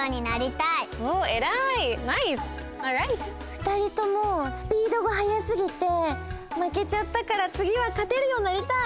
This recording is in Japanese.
２人ともスピードがはやすぎてまけちゃったからつぎはかてるようになりたい！